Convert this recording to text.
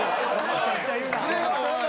失礼だおい。